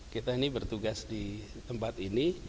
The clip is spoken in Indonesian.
kita ini bertugas di tempat ini